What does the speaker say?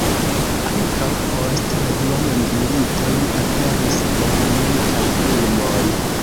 Ankaŭ post la Dua mondmilito li aperis en multaj filmoj.